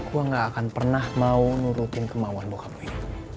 gue gak akan pernah mau nurutin kemauan bokap lo ini